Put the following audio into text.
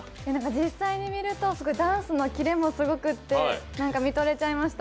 実際に見ると、ダンスのキレもすごくてなんか、見とれちゃいました。